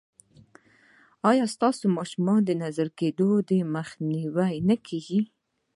آیا د ماشومانو د نظر کیدو مخنیوی نه کیږي؟